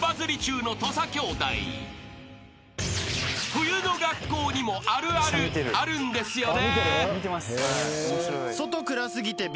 ［冬の学校にもあるあるあるんですよね］